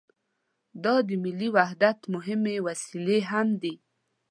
دا د ملي وحدت مهمې وسیلې هم دي.